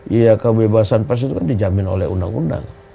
iya kebebasan pers itu kan dijamin oleh undang undang